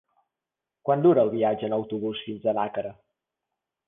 Quant dura el viatge en autobús fins a Nàquera?